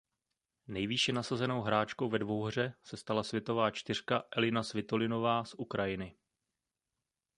Nejvýše nasazenou hráčkou ve dvouhře se stala světová čtyřka Elina Svitolinová z Ukrajiny.